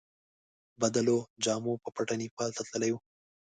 بدلو جامو په پټه نیپال ته تللی وای.